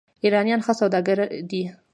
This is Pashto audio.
ایرانیان ښه سوداګر دي.